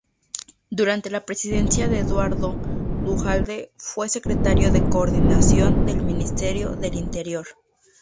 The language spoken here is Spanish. Durante la presidencia de Eduardo Duhalde fue secretario de Coordinación del Ministerio del Interior.